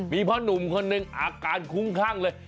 มีพ่อหนุ่มคนหนึ่งอาการคุ้มคลั่งเลย